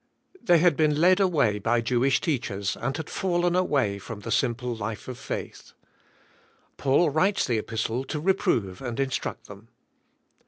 They had been led away by Jew ish teachers and had fallen away from the simple life of faith. Paul writes the Epistle to reprove and instruct them.